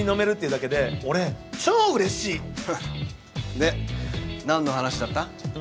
でなんの話だった？